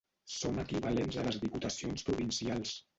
Són equivalents a les diputacions provincials.